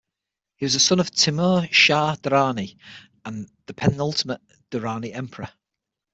He was the son of Timur Shah Durrani, and the penultimate Durrani Emperor.